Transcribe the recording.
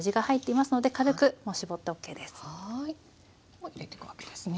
もう入れていくわけですね。